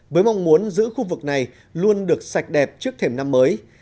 với mong muốn giữ khu vực này luôn được sạch đẹp trước thềm năm mới